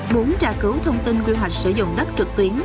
muốn tra cứu thông tin quy hoạch sử dụng đất trực tuyến